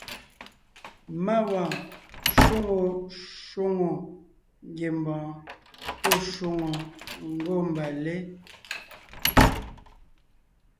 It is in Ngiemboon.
Má wɔɔn shwóŋo shwóŋò ngiembɔɔn pɔ́ shwòŋo ngômbalé.